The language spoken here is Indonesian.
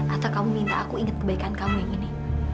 atau kamu minta aku inget kebaikan kamu yang ini